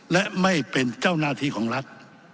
และไม่เป็นเจ้าหน้าที่ของรัฐ